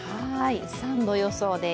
３度予想です。